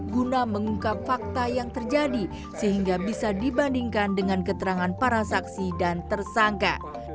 guna mengungkap fakta yang terjadi sehingga bisa dibandingkan dengan keterangan para saksi dan tersangka